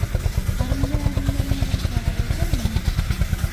«Garynja ädimleriň bilen Käbä ýetermiň?